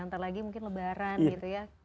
nanti lagi mungkin lebaran gitu ya